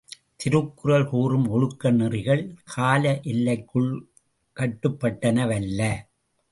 திருக்குறள் கூறும் ஒழுக்க நெறிகள் கால எல்லைகளுக்குக் கட்டுப்பட்டனவல்ல.